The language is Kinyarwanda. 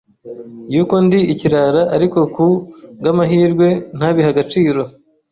yuko ndi ikirara ariko ku bw’amahirwe ntabihe agaciro